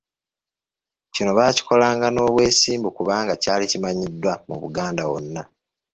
Kino baakikolanga n'obwesimbu kubanga kyali kimanyiddwa mu Buganda wonna.